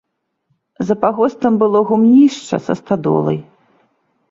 За пагостам было гумнішча са стадолай.